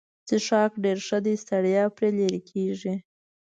څښاک ډېر ښه دی ستړیا پرې لیرې کیږي.